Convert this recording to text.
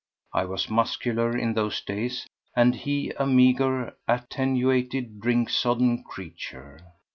I was muscular in those days, and he a meagre, attenuated, drink sodden creature.